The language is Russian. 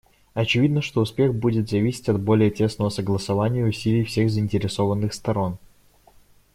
Очевидно, что успех будет зависеть от более тесного согласования усилий всех заинтересованных сторон.